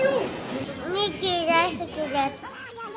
ミッキー大好きです。